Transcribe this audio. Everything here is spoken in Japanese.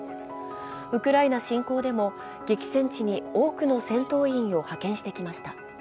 ウクライナ侵攻でも激戦地に多くの戦闘員を派遣してきました。